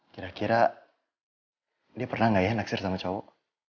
kira kira dia pernah nggak ya naksir sama cowok